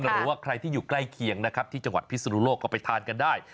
หรือว่าใครที่อยู่ใกล้เคียงนะครับที่จังหวัดพิศนุโลกก็ไปทานกันได้